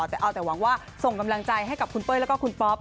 แต่เอาแต่หวังว่าส่งกำลังใจให้กับคุณเป้ยแล้วก็คุณป๊อป